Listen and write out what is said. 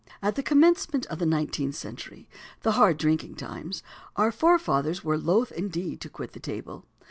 At the commencement of the nineteenth century, in the hard drinking times, our forefathers were loth indeed to quit the table.